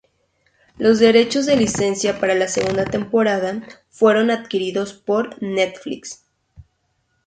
Los derechos de licencia para la segunda temporada fueron adquiridos por Netflix.